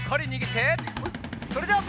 それじゃあ。